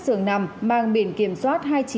xưởng nằm mang biển kiểm soát